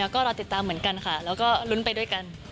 ก็รอติดตามเหมือนกันค่ะแล้วก็ลุ้นไปด้วยกัน